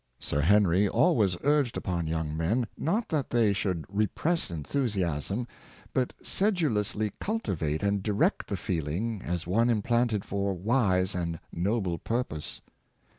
'' Sir Henry always urged upon young men, not that they should repress enthusiasm, but sedulously culti vate and direct the feeling, as one implanted for wise and noble purposes.